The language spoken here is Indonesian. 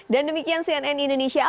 dan demikian cnn indonesia